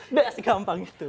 ngasih gampang gitu